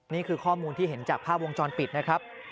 นี่คือข้อมูลที่เห็นจากภาพวงจรปิดนะครับ